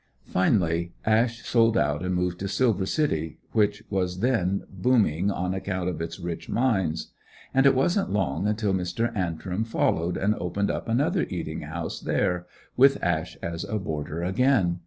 Finally Ash sold out and moved to Silver City, which was then booming on account of its rich mines. And it wasn't long until Mr. Antrim followed and opened up another eating house there, with Ash as a boarder again.